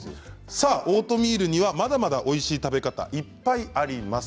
さあオートミールにはまだまだおいしい食べ方いっぱいあります。